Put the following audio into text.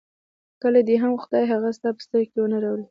کله دې هم خدای هغه ستا په سترګو کې نه راولي.